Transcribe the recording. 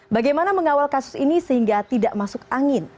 bagaimana mengawal kasus ini sehingga tidak masuk angin